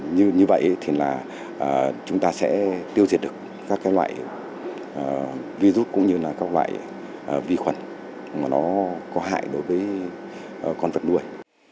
như vậy chúng ta sẽ tiêu diệt được các loại virus cũng như các loại vi khuẩn có hại đối với con vật nuôi